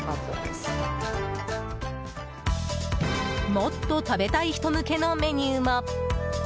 もっと食べたい人向けのメニューも。